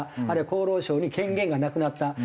あるいは厚労省に権限がなくなった。